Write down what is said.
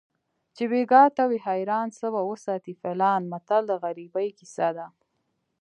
چې بیګا ته وي حیران څه به وساتي فیلان متل د غریبۍ کیسه ده